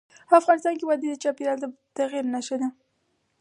افغانستان کې وادي د چاپېریال د تغیر نښه ده.